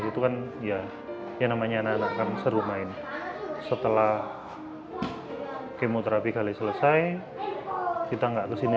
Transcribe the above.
itu kan ya yang namanya anak anak kami seru main setelah kemoterapi kali selesai kita enggak kesini